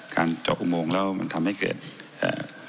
การเจาะอุโมงแล้วมันทำให้เกิดอ่า